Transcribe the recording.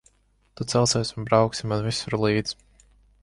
Tu celsies un brauksi man visur līdzi.